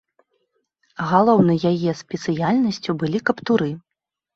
Галоўнай яе спецыяльнасцю былі каптуры.